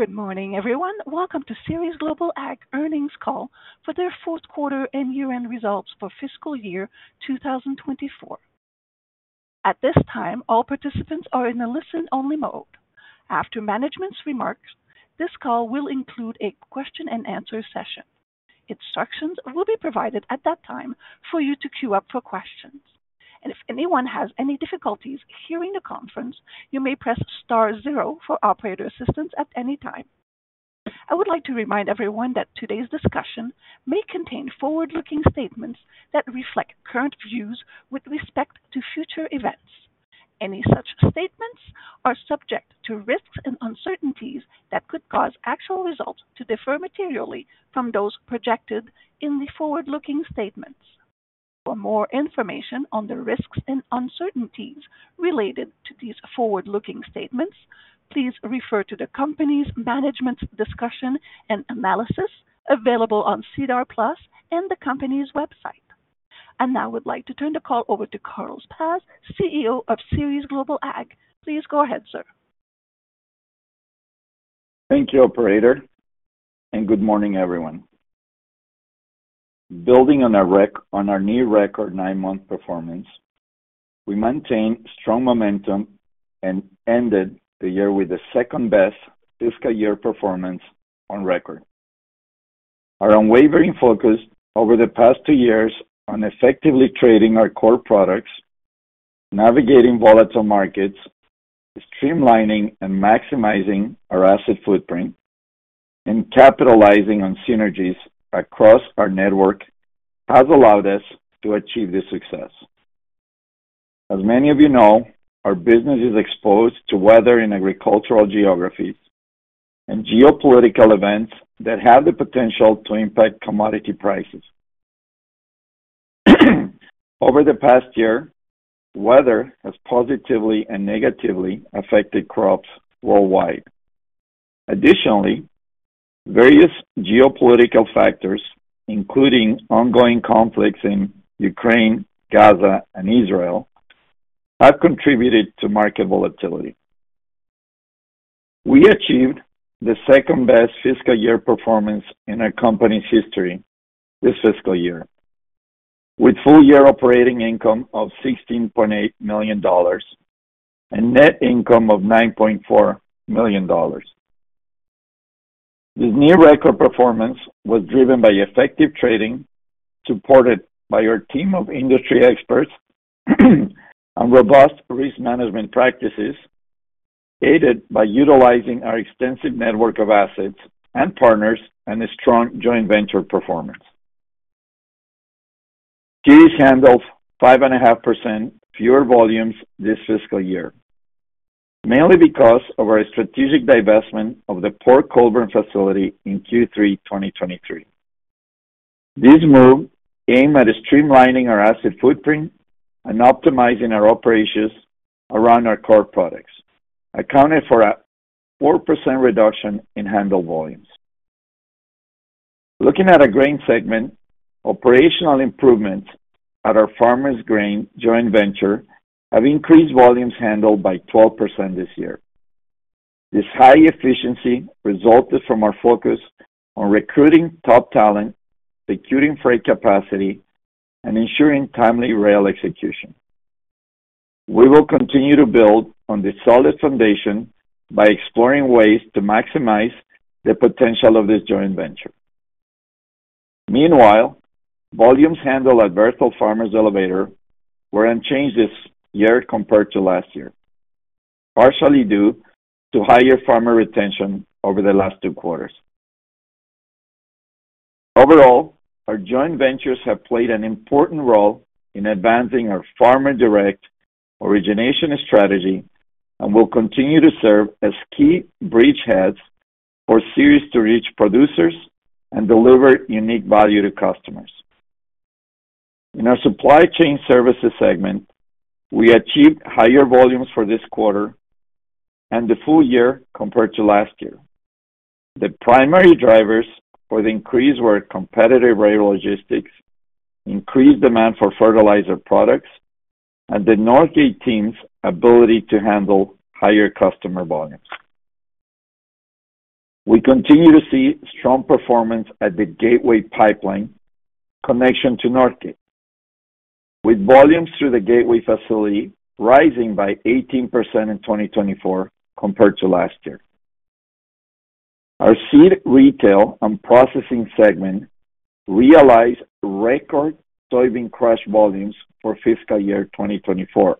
Good morning, everyone. Welcome to Ceres Global Ag Earnings Call for their fourth quarter and year-end results for fiscal year two thousand twenty-four. At this time, all participants are in a listen-only mode. After management's remarks, this call will include a question-and-answer session. Instructions will be provided at that time for you to queue up for questions, and if anyone has any difficulties hearing the conference, you may press star zero for operator assistance at any time. I would like to remind everyone that today's discussion may contain forward-looking statements that reflect current views with respect to future events. Any such statements are subject to risks and uncertainties that could cause actual results to differ materially from those projected in the forward-looking statements. For more information on the risks and uncertainties related to these forward-looking statements, please refer to the company's management's discussion and analysis available on SEDAR+ and the company's website. And now I would like to turn the call over to Carlos Paz, CEO of Ceres Global Ag. Please go ahead, sir. Thank you, operator, and good morning, everyone. Building on our new record nine-month performance, we maintained strong momentum and ended the year with the second-best fiscal year performance on record. Our unwavering focus over the past two years on effectively trading our core products, navigating volatile markets, streamlining and maximizing our asset footprint, and capitalizing on synergies across our network has allowed us to achieve this success. As many of you know, our business is exposed to weather and agricultural geographies and geopolitical events that have the potential to impact commodity prices. Over the past year, weather has positively and negatively affected crops worldwide. Additionally, various geopolitical factors, including ongoing conflicts in Ukraine, Gaza, and Israel, have contributed to market volatility. We achieved the second-best fiscal year performance in our company's history this fiscal year, with full-year operating income of $16.8 million and net income of $9.4 million. This new record performance was driven by effective trading, supported by our team of industry experts, and robust risk management practices, aided by utilizing our extensive network of assets and partners and a strong joint venture performance. Ceres handled 5.5% fewer volumes this fiscal year, mainly because of our strategic divestment of the Port Colborne facility in Q3 2023. This move, aimed at streamlining our asset footprint and optimizing our operations around our core products, accounted for a 4% reduction in handle volumes. Looking at our grain segment, operational improvement at our Farmers Grain joint venture have increased volumes handled by 12% this year. This high efficiency resulted from our focus on recruiting top talent, securing freight capacity, and ensuring timely rail execution. We will continue to build on this solid foundation by exploring ways to maximize the potential of this joint venture. Meanwhile, volumes handled at Berthold Farmers Elevator were unchanged this year compared to last year, partially due to higher farmer retention over the last two quarters. Overall, our joint ventures have played an important role in advancing our farmer direct origination strategy and will continue to serve as key bridgeheads for Ceres to reach producers and deliver unique value to customers. In our supply chain services segment, we achieved higher volumes for this quarter and the full year compared to last year. The primary drivers for the increase were competitive rail logistics, increased demand for fertilizer products, and the Northgate team's ability to handle higher customer volumes. We continue to see strong performance at the Gateway Pipeline connection to Northgate, with volumes through the Gateway facility rising by 18% in 2024 compared to last year. Our seed retail and processing segment realized record soybean crush volumes for fiscal year 2024.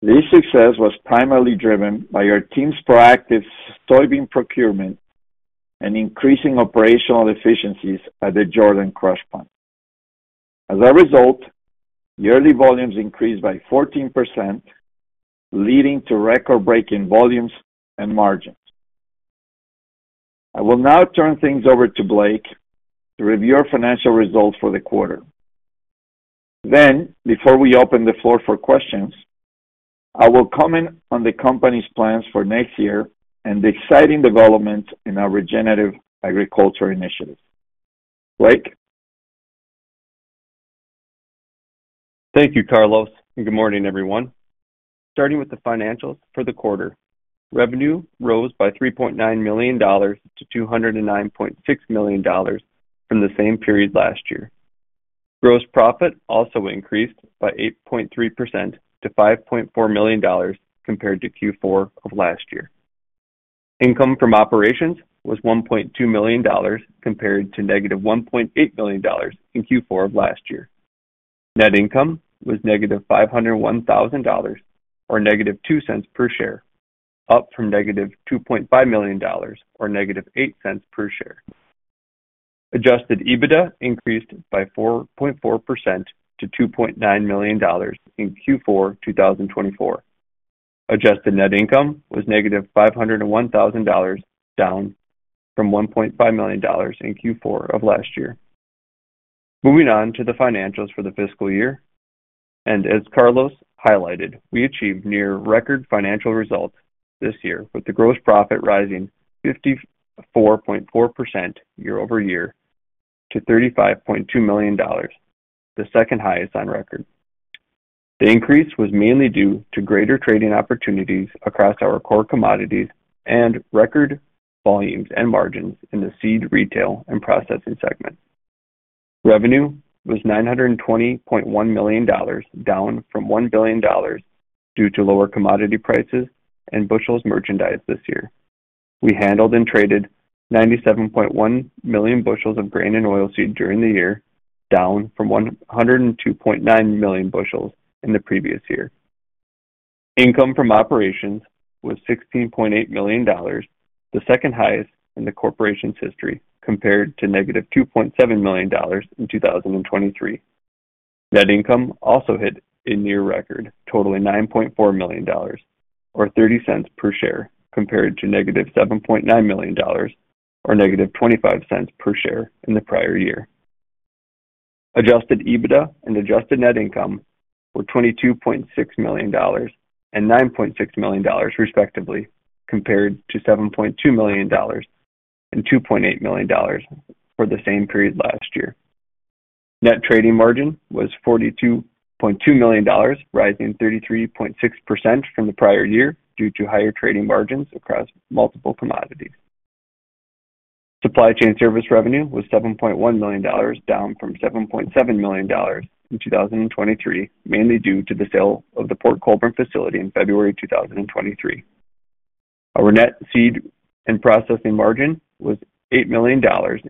This success was primarily driven by our team's proactive soybean procurement and increasing operational efficiencies at the Jordan crush plant. As a result, yearly volumes increased by 14%, leading to record-breaking volumes and margins. I will now turn things over to Blake to review our financial results for the quarter. Then, before we open the floor for questions, I will comment on the company's plans for next year and the exciting developments in our regenerative agriculture initiative. Blake? ... Thank you, Carlos, and good morning, everyone. Starting with the financials for the quarter. Revenue rose by $3.9 million to $209.6 million from the same period last year. Gross profit also increased by 8.3% to $5.4 million, compared to Q4 of last year. Income from operations was $1.2 million, compared to -$1.8 million in Q4 of last year. Net income was -$501,000, or -$0.02 per share, up from -$2.5 million, or -$0.08 per share. Adjusted EBITDA increased by 4.4% to $2.9 million in Q4 2024. Adjusted Net Income was -$501,000, down from $1.5 million in Q4 of last year. Moving on to the financials for the fiscal year, and as Carlos highlighted, we achieved near record financial results this year, with the gross profit rising 54.4% year over year to $35.2 million, the second highest on record. The increase was mainly due to greater trading opportunities across our core commodities and record volumes and margins in the seed, retail, and processing segments. Revenue was $920.1 million, down from $1 billion, due to lower commodity prices and bushels merchandised this year. We handled and traded 97.1 million bushels of grain and oilseed during the year, down from 102.9 million bushels in the previous year. Income from operations was $16.8 million, the second highest in the corporation's history, compared to negative $2.7 million in 2023. Net income also hit a near record, totaling $9.4 million, or 30 cents per share, compared to negative $7.9 million, or negative 25 cents per share in the prior year. Adjusted EBITDA and adjusted net income were $22.6 million and $9.6 million, respectively, compared to $7.2 million and $2.8 million for the same period last year. Net trading margin was $42.2 million, rising 33.6% from the prior year due to higher trading margins across multiple commodities. Supply chain service revenue was $7.1 million, down from $7.7 million in 2023, mainly due to the sale of the Port Colborne facility in February 2023. Our net seed and processing margin was $8 million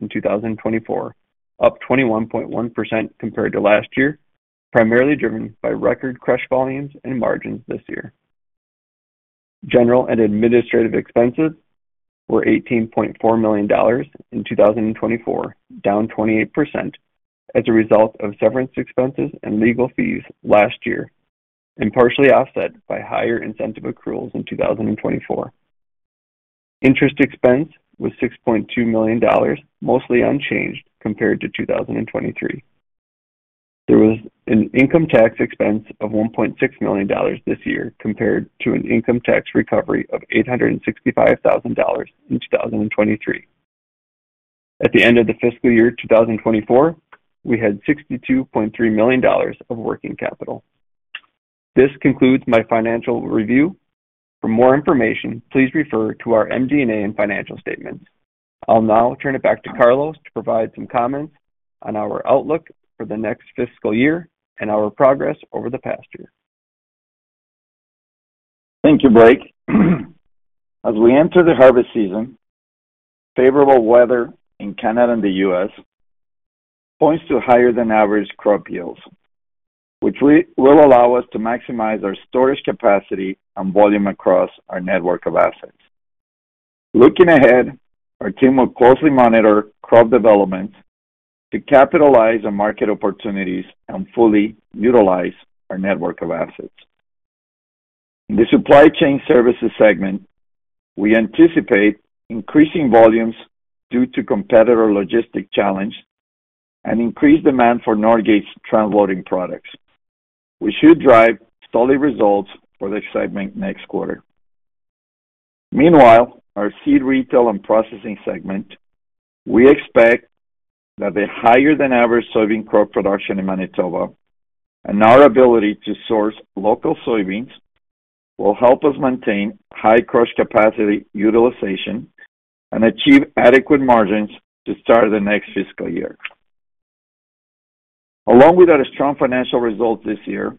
in 2024, up 21.1% compared to last year, primarily driven by record crush volumes and margins this year. General and administrative expenses were $18.4 million in 2024, down 28% as a result of severance expenses and legal fees last year, and partially offset by higher incentive accruals in 2024. Interest expense was $6.2 million, mostly unchanged compared to 2023. There was an income tax expense of $1.6 million this year, compared to an income tax recovery of $865,000 in 2023. At the end of the fiscal year 2024, we had $62.3 million of working capital. This concludes my financial review. For more information, please refer to our MD&A and financial statements. I'll now turn it back to Carlos to provide some comments on our outlook for the next fiscal year and our progress over the past year. Thank you, Blake. As we enter the harvest season, favorable weather in Canada and the U.S. points to higher than average crop yields, which will allow us to maximize our storage capacity and volume across our network of assets. Looking ahead, our team will closely monitor crop developments to capitalize on market opportunities and fully utilize our network of assets. In the supply chain services segment, we anticipate increasing volumes due to competitor logistic challenge and increased demand for Northgate's transloading products, which should drive solid results for the segment next quarter. Meanwhile, our seed, retail, and processing segment. We expect that the higher than average soybean crop production in Manitoba and our ability to source local soybeans will help us maintain high crush capacity utilization and achieve adequate margins to start the next fiscal year. Along with our strong financial results this year,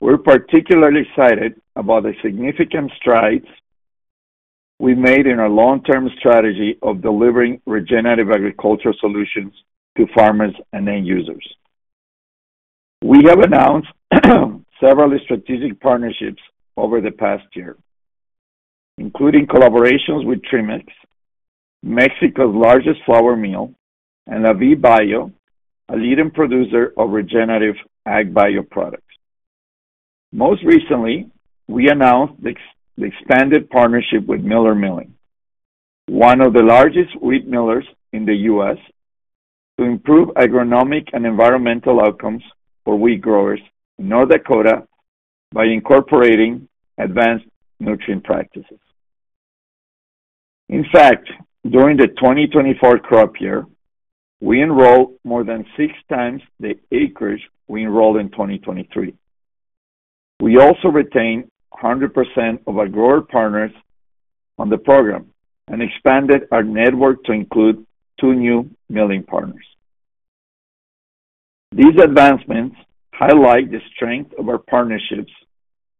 we're particularly excited about the significant strides we made in our long-term strategy of delivering regenerative agricultural solutions to farmers and end users. We have announced several strategic partnerships over the past year, including collaborations with Trimex, Mexico's largest flour mill, and Avena, a leading producer of regenerative ag bio products. Most recently, we announced the expanded partnership with Miller Milling, one of the largest wheat millers in the US, to improve agronomic and environmental outcomes for wheat growers in North Dakota by incorporating advanced nutrient practices. In fact, during the 2024 crop year, we enrolled more than six times the acreage we enrolled in 2023. We also retained 100% of our grower partners on the program and expanded our network to include two new milling partners. These advancements highlight the strength of our partnerships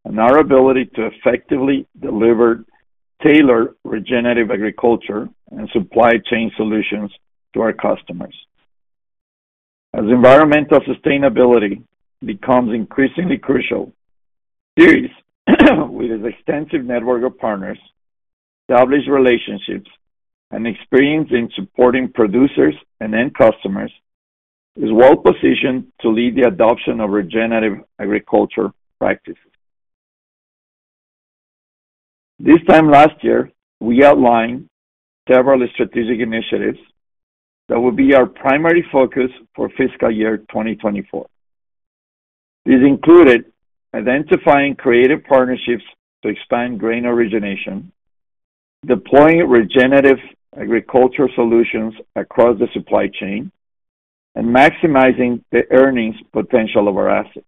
and our ability to effectively deliver tailored regenerative agriculture and supply chain solutions to our customers. As environmental sustainability becomes increasingly crucial, Ceres, with its extensive network of partners, established relationships, and experience in supporting producers and end customers, is well-positioned to lead the adoption of regenerative agriculture practices. This time last year, we outlined several strategic initiatives that would be our primary focus for fiscal year 2024. These included identifying creative partnerships to expand grain origination, deploying regenerative agriculture solutions across the supply chain, and maximizing the earnings potential of our assets.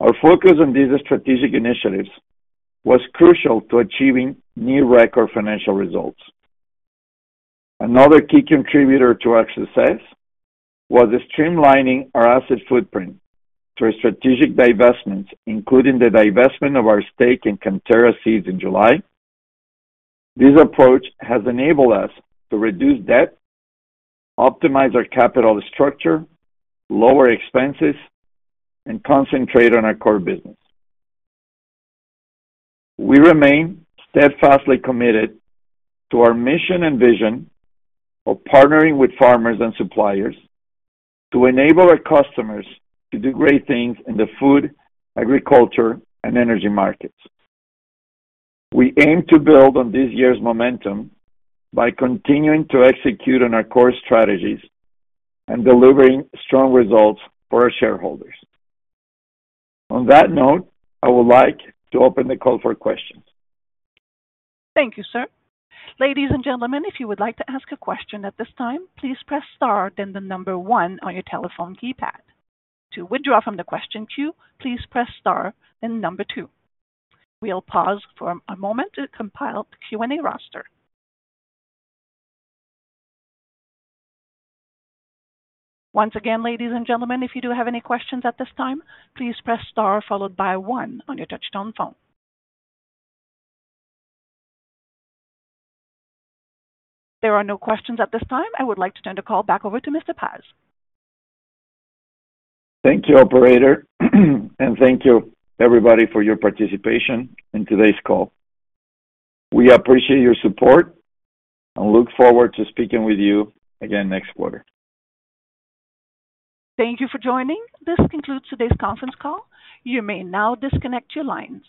Our focus on these strategic initiatives was crucial to achieving new record financial results. Another key contributor to our success was streamlining our asset footprint through strategic divestments, including the divestment of our stake in Canterra Seeds in July. This approach has enabled us to reduce debt, optimize our capital structure, lower expenses, and concentrate on our core business. We remain steadfastly committed to our mission and vision of partnering with farmers and suppliers to enable our customers to do great things in the food, agriculture, and energy markets. We aim to build on this year's momentum by continuing to execute on our core strategies and delivering strong results for our shareholders. On that note, I would like to open the call for questions. Thank you, sir. Ladies and gentlemen, if you would like to ask a question at this time, please press star, then the number one on your telephone keypad. To withdraw from the question queue, please press star, then number two. We'll pause for a moment to compile the Q&A roster. Once again, ladies and gentlemen, if you do have any questions at this time, please press star followed by one on your touchtone phone. There are no questions at this time. I would like to turn the call back over to Mr. Paz. Thank you, operator, and thank you everybody for your participation in today's call. We appreciate your support and look forward to speaking with you again next quarter. Thank you for joining. This concludes today's conference call. You may now disconnect your lines.